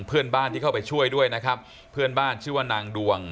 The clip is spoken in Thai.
เพื่อนบ้านที่เข้าไปช่วยด้วยนะครับเพื่อนบ้านชื่อว่านางดวง